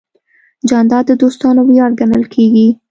جانداد د دوستانو ویاړ ګڼل کېږي.